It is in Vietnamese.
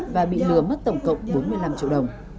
và bị lừa mất tổng cộng bốn mươi năm triệu đồng